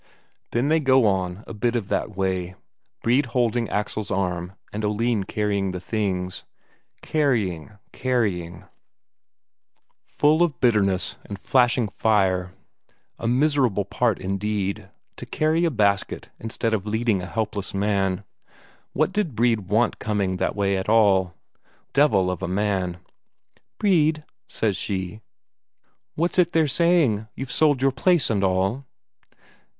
Then they go on a bit that way, Brede holding Axel's arm, and Oline carrying the things. Carrying, carrying, full of bitterness and flashing fire; a miserable part indeed, to carry a basket instead of leading a helpless man. What did Brede want coming that way at all devil of a man! "Brede," says she, "what's it they're saying, you've sold your place and all?"